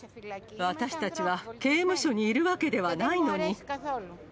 私たちは刑務所にいるわけではないのに。